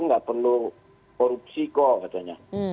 nggak perlu korupsi kok katanya